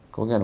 có nghĩa là